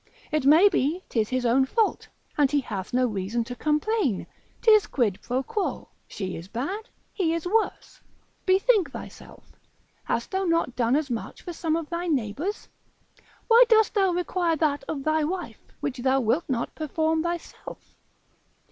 It may be 'tis his own fault, and he hath no reason to complain, 'tis quid pro quo, she is bad, he is worse: Bethink thyself, hast thou not done as much for some of thy neighbours? why dost thou require that of thy wife, which thou wilt not perform thyself?